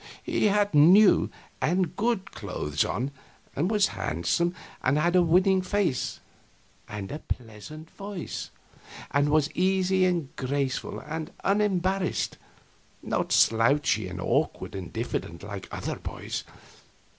He had new and good clothes on, and was handsome and had a winning face and a pleasant voice, and was easy and graceful and unembarrassed, not slouchy and awkward and diffident, like other boys.